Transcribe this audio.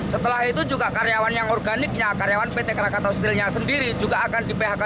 setelah itu juga karyawan yang organiknya karyawan pt krakatau steelnya sendiri juga akan di phk